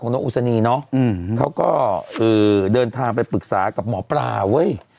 นกอุศนีเนาะเขาก็เดินทางไปปรึกษากับหมอปลาเว้ย